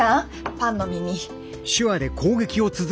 パンの耳。